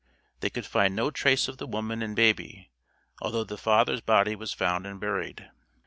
They could find no trace of the woman and baby, although the father's body was found and buried.